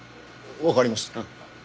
わかりました。